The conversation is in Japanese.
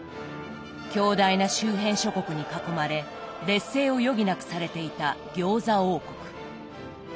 強大な周辺諸国に囲まれ劣勢を余儀なくされていた餃子王国。